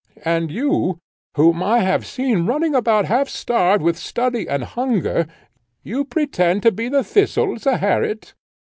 And you, whom I have seen running about half starved with study and hunger, you pretend to be the thistle, Zeherit?"